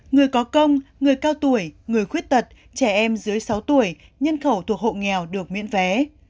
người có công người cao tuổi người khuyết tật trẻ em dưới sáu tuổi nhân khẩu thuộc hộ nghèo được miễn vé